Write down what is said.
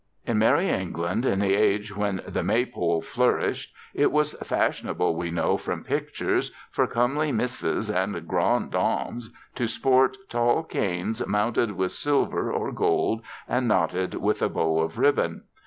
In Merrie England in the age when the May pole flourished it was fashionable, we know from pictures, for comely misses and grandes dames to sport tall canes mounted with silver or gold and knotted with a bow of ribbon.